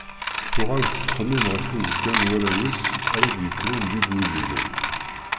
Tuɣal tettxemmim ɣef uzekka n warraw-is ara d-yekkren d igujilen.